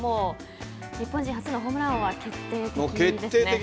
日本人初のホームラン王は決定ということですね。